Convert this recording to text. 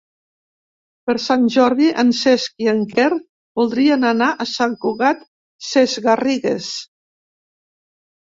Per Sant Jordi en Cesc i en Quer voldrien anar a Sant Cugat Sesgarrigues.